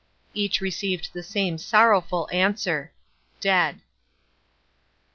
Each received the same sorrowful answer "Dead."